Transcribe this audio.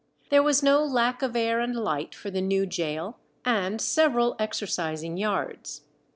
There was no lack of air and light for the new gaol, and several exercising yards.